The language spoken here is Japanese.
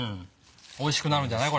おいしくなるんじゃない？